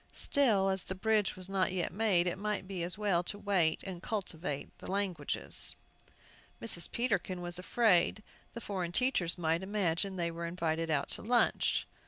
Still, as the bridge was not yet made, it might be as well to wait and cultivate the languages. Mrs. Peterkin was afraid the foreign teachers might imagine they were invited out to lunch.